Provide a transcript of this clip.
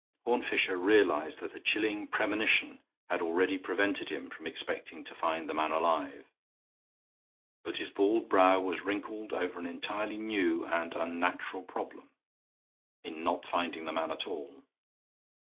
Horne Fisher realized that a chilling premonition had already prevented him from expecting to find the man alive. But his bald brow was wrinkled over an entirely new and unnatural problem, in not finding the man at all.